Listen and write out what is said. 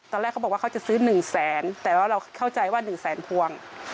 ตอนแรกเขาบอกว่าเขาจะซื้อ๑แสนแต่ว่าเราเข้าใจว่า๑แสนพวง